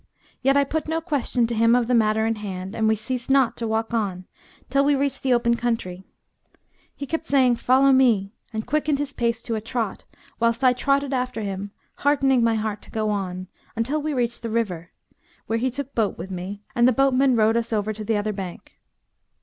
Yet I put no question to him of the matter in hand and we ceased not to walk on, till we reached the open country. He kept saying, 'Follow me,' and quickened his pace to a trot, whilst I trotted after him heartening my heart to go on, until we reached the river, where he took boat with me, and the boatman rowed us over to the other bank.